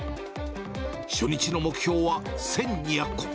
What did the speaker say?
初日の目標は１２００個。